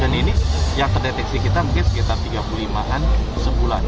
dan ini yang terdeteksi kita mungkin sekitar tiga puluh lima an sebulan